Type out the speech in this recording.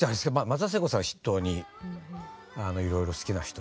松田聖子さんを筆頭にいろいろ好きな人はいました。